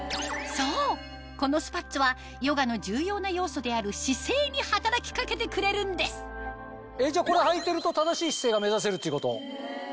そうこのスパッツはヨガの重要な要素である姿勢に働き掛けてくれるんですこれはいてると正しい姿勢が目指せるっていうこと？